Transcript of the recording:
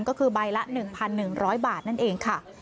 ก็คือใบละ๑๑๐๐บาทนั่นเองค่ะ